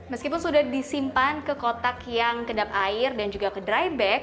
meskipun sudah disimpan ke kotak yang kedap air dan juga ke drybag